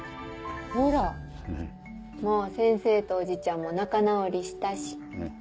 ほらもう先生とおじちゃんも仲直りしたし。